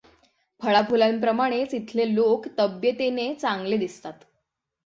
फळा फुलांप्रमाणेच इथले लोक तब्येतीने चांगले दिसतात.